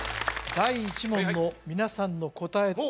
第１問の皆さんの答え